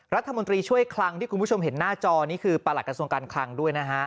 รัฐมนตรีช่วยคลังที่คุณผู้ชมเห็นหน้าจอนี่คือประหลักกระทรวงการคลังด้วยนะฮะ